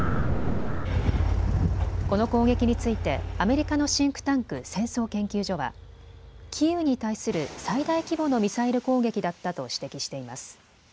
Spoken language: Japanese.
この攻撃についてアメリカのシンクタンク、戦争研究所はキーウに対する最大規模のミサイル攻撃だったと指摘しています。